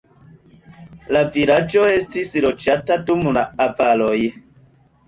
La vilaĝo estis loĝata dum la avaroj.